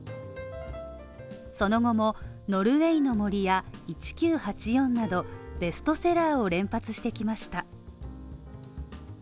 その後も、「ノルウェイの森」や「１Ｑ８４」などベストセラーを連発してきました。